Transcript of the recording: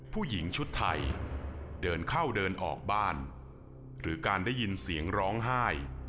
ผู้หญิงชุดไทยเดินเข้าเดินออกบ้านหรือการได้ยินเสียงร้องไห้